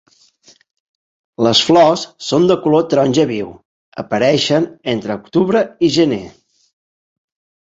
Les flors són de color taronja viu, apareixen entre octubre i gener.